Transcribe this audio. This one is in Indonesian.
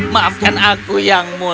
maafkan aku yang mulia